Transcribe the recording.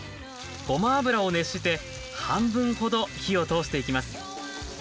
ごま油を熱して半分ほど火を通していきます。